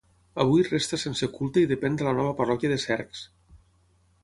Avui resta sense culte i depèn de la nova parròquia de Cercs.